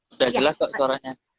udah jelas kok suaranya